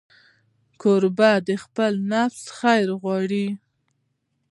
کوربه د خپل نفس خیر غواړي.